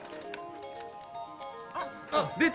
あっ、出た。